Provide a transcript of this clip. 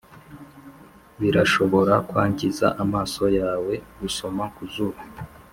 birashobora kwangiza amaso yawe gusoma ku zuba